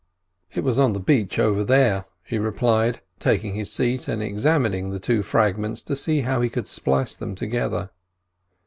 "It was on the beach over there," he replied, taking his seat and examining the two fragments to see how he could splice them together.